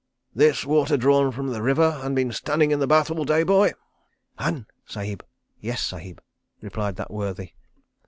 "This water drawn from the river and been standing in the bath all day, boy?" "Han, {168b} Sahib," replied that worthy.